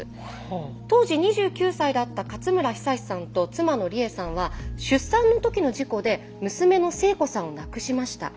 当時２９歳だった勝村久司さんと妻の理栄さんは出産のときの事故で娘の星子さんを亡くしました。